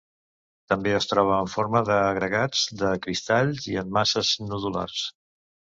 També es troba en forma d'agregats de cristalls i en masses nodulars.